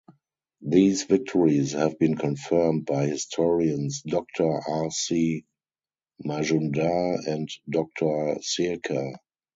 These victories have been confirmed by historians Doctor R. C. Majumdar and Doctor Sircar.